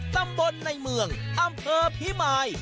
ตำบลในเมืองอำเภอพิมาย